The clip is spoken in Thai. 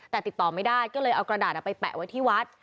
แต่ติดต่อไม่ได้ก็เลยเอากระดาษไปแปะไว้ที่วัด